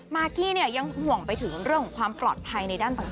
มาคค์กี้ห่วงไปถึงความปลอดภัยในด้านต่าง